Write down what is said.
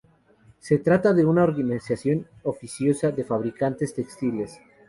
Se trata de una organización oficiosa de fabricantes textiles.